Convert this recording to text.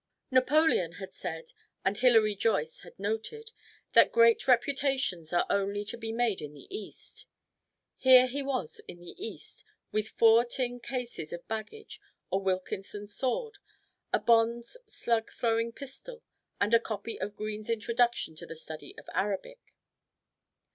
Napoleon had said, and Hilary Joyce had noted, that great reputations are only to be made in the East. Here he was in the East with four tin cases of baggage, a Wilkinson sword, a Bond's slug throwing pistol, and a copy of "Green's Introduction to the Study of Arabic."